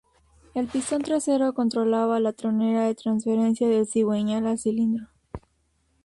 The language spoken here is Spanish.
El pistón trasero controlaba la tronera de transferencia del cigüeñal al cilindro.